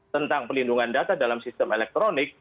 tentang pelindungan data dalam sistem elektronik